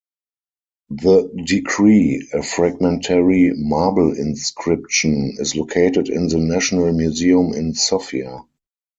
The decree, a fragmentary marble inscription, is located in the National Museum in Sofia.